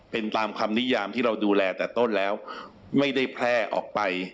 เป็นตามคำนิยามที่เราดูแลแต่ต้นแล้วไม่ได้แพร่ออกไป